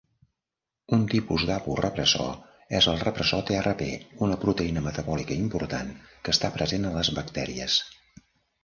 Un tipus d'aporepressor és el repressor trp, una proteïna metabòlica important que està present a les bactèries.